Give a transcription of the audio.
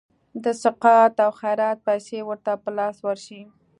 د سقاط او خیرات پیسي ورته په لاس ورشي.